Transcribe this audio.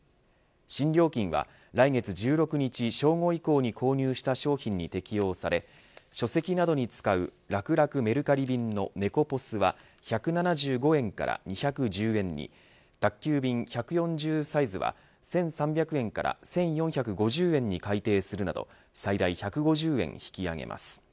新料金は来月１６日正午以降に購入した商品に適用され書籍などに使うらくらくメルカリ便のネコポスは１７５円から２１０円に宅急便１４０サイズは１３００円から１４５０円に改定するなど最大で１５０円引き上げます。